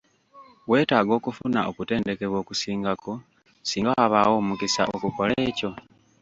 Weetaaga okufuna okutendekebwa okusingako singa wabaawo omukisa okukola ekyo?